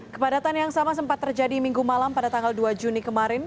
kepadatan yang sama sempat terjadi minggu malam pada tanggal dua juni kemarin